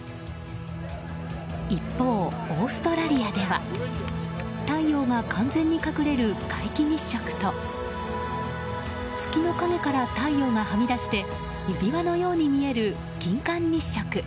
一方、オーストラリアでは太陽が完全に隠れる皆既日食と月の影から太陽がはみ出して指輪のように見える金環日食。